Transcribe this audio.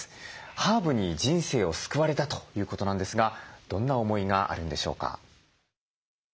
ハーブに人生を救われたということなんですがどんな思いがあるんでしょうか？